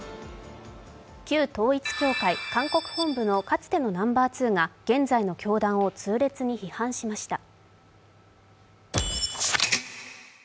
旧統一教会韓国本部のかつてのナンバー２が現在の教団を痛烈に批判しました。